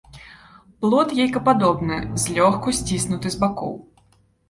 Плод яйкападобны, злёгку сціснуты з бакоў.